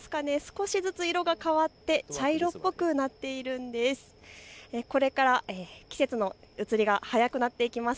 少しずつ色が変わって茶色っぽくなっているんです。